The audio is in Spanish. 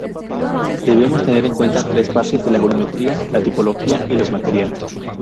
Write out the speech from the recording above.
Debemos tener en cuenta tres partes: la volumetría, la tipología y los materiales.